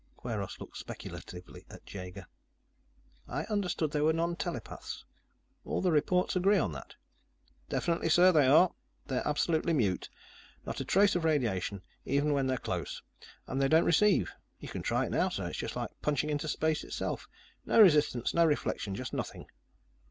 Kweiros looked speculatively at Jaeger. "I understood they were nontelepaths. All the reports agree on that." "Definitely, sir, they are. They're absolutely mute. Not a trace of radiation, even when they're close. And they don't receive. You can try it now, sir. It's just like punching into space itself. No resistance, no reflection, just nothing."